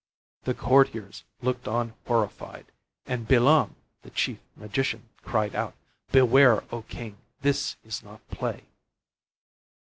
The courtiers looked on horrified, and Bilam, the chief magician, cried out, "Beware, O king, this is not play."